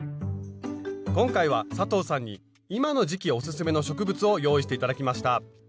今回は佐藤さんに今の時期オススメの植物を用意して頂きました。